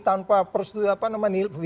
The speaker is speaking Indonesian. tanpa persetujuan apa namanya